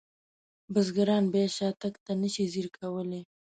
بزګران بیا شاتګ ته نشي ځیر کولی.